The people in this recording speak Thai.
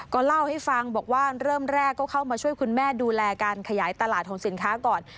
ก็เล่าให้ฟังบอกว่าเริ่มแรกก็เข้ามาช่วยคุณแม่ดูแลการขยายตลาดของสินค้าก่อน